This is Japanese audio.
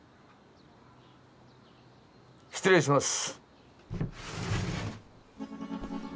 ・失礼します。